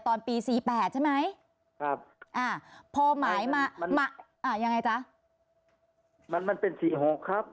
ตอนปีสี่แปดใช่ไหมครับอ่าพอหมายมามาอ่ายังไงจ๊ะมันมันเป็นสี่หกครับ